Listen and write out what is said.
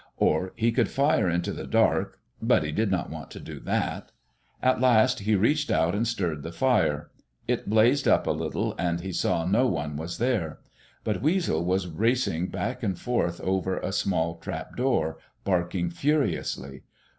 Or, he could fire into the dark; but he did not want to do that. At last he reached out and stirred the fire. It blazed up a little and he saw no one was there. But Weasel was racing back and forth over a small trap door, barking furiously.